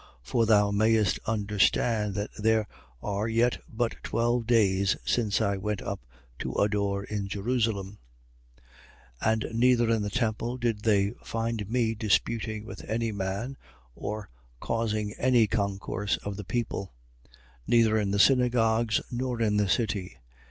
24:11. For thou mayest understand that there are yet but twelve days since I went up to adore in Jerusalem: 24:12. And neither in the temple did they find me disputing with any man or causing any concourse of the people: neither in the synagogues, nor in the city.